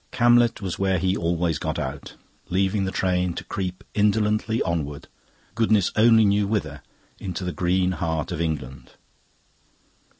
Camlet was where he always got out, leaving the train to creep indolently onward, goodness only knew whither, into the green heart of England.